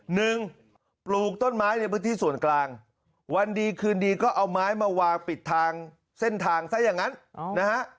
ปลูกต้นไม้ในพื้นที่ส่วนกลางวันดีคืนดีก็เอาไม้มาวางปิดทางเส้นทางซะอย่างนั้นนะฮะ